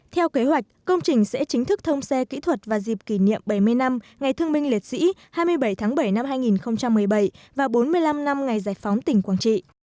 theo kế hoạch công trình sẽ chính thức thông xe kỹ thuật vào dịp kỷ niệm bảy mươi năm ngày thương minh liệt sĩ hai mươi bảy tháng bảy năm hai nghìn một mươi bảy và bốn mươi năm năm ngày giải phóng tỉnh quảng trị